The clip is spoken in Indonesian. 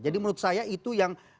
jadi menurut saya itu yang